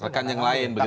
rekan yang lain begitu